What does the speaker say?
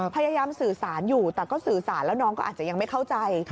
พยายามสื่อสารอยู่แต่ก็สื่อสารแล้วน้องก็อาจจะยังไม่เข้าใจ